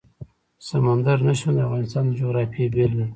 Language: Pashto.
سمندر نه شتون د افغانستان د جغرافیې بېلګه ده.